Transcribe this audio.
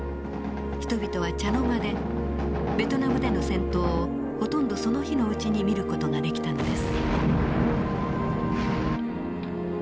人々は茶の間でベトナムでの戦闘をほとんどその日のうちに見る事ができたのです。